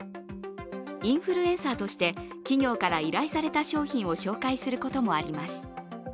インフルエンサーとして企業から依頼された商品を紹介することもあります。